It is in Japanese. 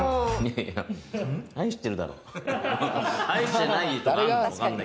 愛してるだろう。